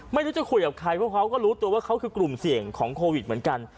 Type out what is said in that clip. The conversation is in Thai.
ไม่รู้จะคุยกับใครเพราะเขาก็รู้ตัวว่าเขาคือกลุ่มเสี่ยงของโควิดเหมือนกัน